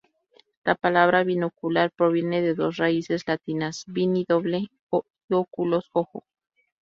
La palabra binocular proviene de dos raíces latinas, "bini" doble, y "oculus" ojo.